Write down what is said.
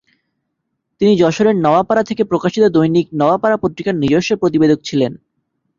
তিনি যশোরের নওয়াপাড়া থেকে প্রকাশিত দৈনিক নওয়াপাড়া পত্রিকার নিজস্ব প্রতিবেদক ছিলেন।